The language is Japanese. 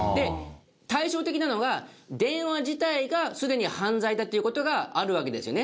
対照的なのが電話自体がすでに犯罪だという事があるわけですよね。